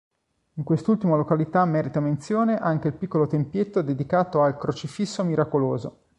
In quest'ultima località merita menzione anche il piccolo tempietto dedicato al "“Crocifisso miracoloso”".